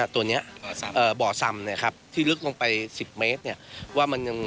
ตัวนี้บ่อซำที่ลึกลงไป๑๐เมตร